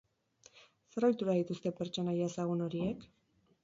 Zer ohitura dituzte pertsonaia ezagun horiek?